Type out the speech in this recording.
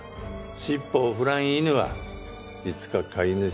尻尾を振らん犬はいつか飼い主に噛みつく。